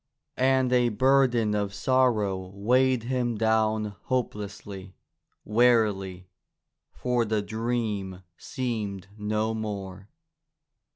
And a burden of sorrow weighed him down hopelessly, wearily, for the dream seemed no more.